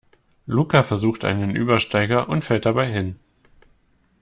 Luca versucht einen Übersteiger und fällt dabei hin.